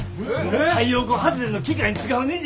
太陽光発電の機械に使うねじや。